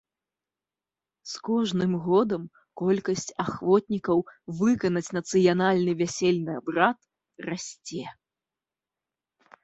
З кожным годам колькасць ахвотнікаў выканаць нацыянальны вясельны абрад расце.